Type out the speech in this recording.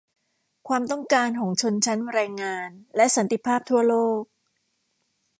ความต้องการของชนชั้นแรงงาน และสันติภาพทั่วโลก